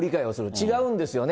違うんですよね。